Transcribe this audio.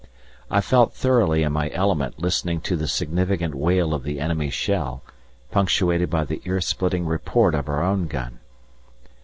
I felt thoroughly in my element listening to the significant wail of the enemy's shell, punctuated by the ear splitting report of our own gun.